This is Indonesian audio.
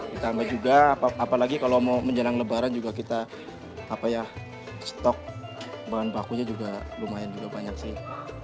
ditambah juga apalagi kalau mau menjelang lebaran juga kita stok bahan bakunya juga lumayan juga banyak sih